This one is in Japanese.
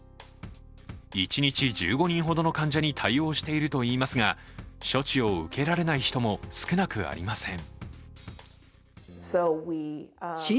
一日１５人ほどの患者に対応しているといいますが処置を受けられない人も少なくありません。